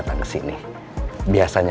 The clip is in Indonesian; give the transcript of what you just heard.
untuk menerima uang